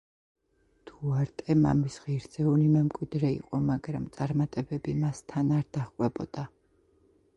დუარტე მამის ღირსეული მემკვიდრე იყო, მაგრამ წარმატებები მას თან არ დაჰყვებოდა.